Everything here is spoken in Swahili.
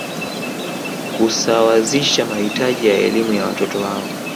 Kusawazisha mahitaji ya elimu ya watoto wao